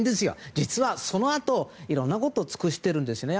実はそのあといろんなことを尽くしているんですね。